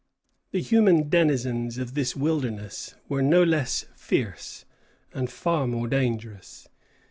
The human denizens of this wilderness were no less fierce, and far more dangerous.